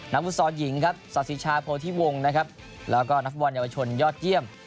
นักฟูดสอนหญิงครับสอบศิชาโพธิวงค์นะครับแล้วก็นักฟอร์นเยาวชนยอดเยี่ยม